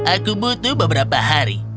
aku sudah mencari beberapa hari